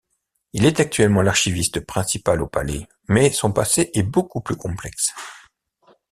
Il est actuellement l'archiviste principal au Palais, mais son passé est beaucoup plus complexe.